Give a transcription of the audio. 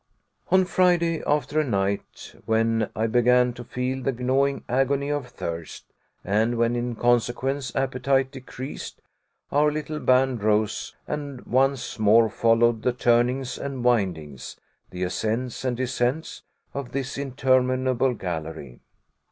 On Friday, after a night when I began to feel the gnawing agony of thirst, and when in consequence appetite decreased, our little band rose and once more followed the turnings and windings, the ascents and descents, of this interminable gallery.